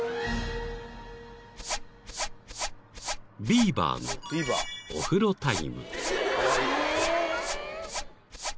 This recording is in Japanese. ［ビーバーのお風呂タイム］